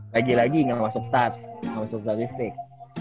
lagi lagi gak masuk stats gak masuk statistik